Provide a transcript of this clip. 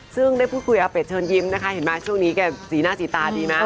ซึ่งได้พูดคุยอาเป็ดเชิญยิ้มนะคะเห็นไหมช่วงนี้แกสีหน้าสีตาดีไหม